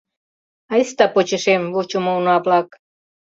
Айста почешем, вучымо уна-влак.